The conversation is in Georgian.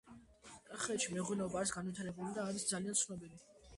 კახეტში მეღვინეობა არის განვითარებული და არის ძალიან ცნობილი